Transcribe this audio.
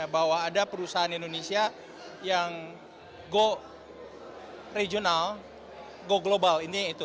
bahwa ada perusahaan indonesia yang go regional go global